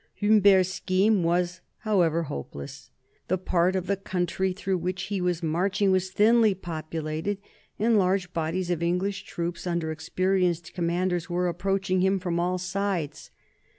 Humbert's scheme was, however, hopeless. The part of the country through which he was marching was thinly populated, and large bodies of English troops, under experienced commanders, were approaching him from all sides.